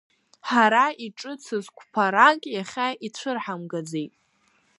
Ҳара иҿыцыз қәԥарак иахьа ицәырҳамгаӡеит.